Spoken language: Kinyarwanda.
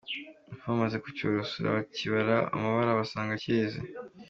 Abapfumu bamaze kucyorosora, bakibara amabara basanga cyeze.